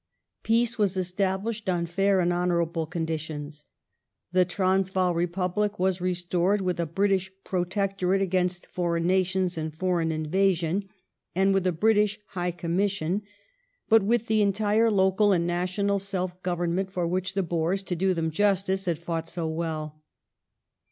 Peace was established on fair and honorable conditions. The Transvaal Republic was re stored, with a British Protectorate against foreign nations and foreign invasion, and with a British High Commission, but with the entire local and national self government for which the Boers, to do them justice, had fought so well.